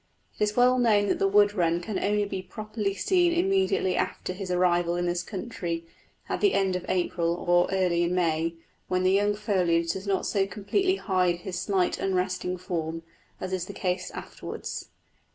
It is well known that the wood wren can only be properly seen immediately after his arrival in this country, at the end of April or early in May, when the young foliage does not so completely hide his slight unresting form, as is the case afterwards.